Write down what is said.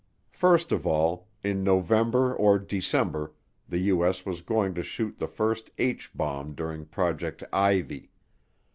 First of all, in November or December the U.S. was going to shoot the first H bomb during Project Ivy.